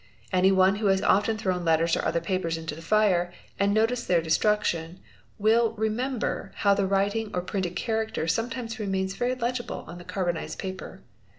Anyone who has often thrown letters or other papers into the fire and noticed their destruction will remember how the writing or printed character sometimes remains very legible on the carbonised paper.